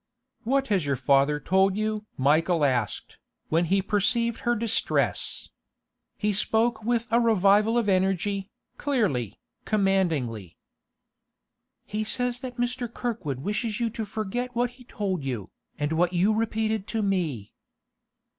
'What has your father told you?' Michael asked, when he perceived her distress. He spoke with a revival of energy, clearly, commandingly. 'He says that Mr. Kirkwood wishes you to forget what he told you, and what you repeated to me.